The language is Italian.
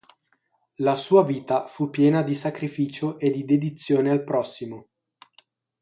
La sua vita fu piena di sacrificio e di dedizione al prossimo.